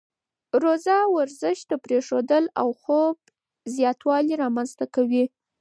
روزه ورزش پرېښودل او خوب زیاتوالی رامنځته کوي.